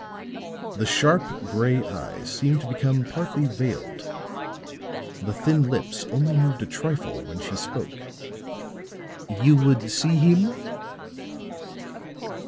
The sharp, gray eyes seemed to become partly veiled, the thin lips only moved a trifle when she spoke. "You would see him?"